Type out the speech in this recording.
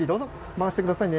回して下さいね。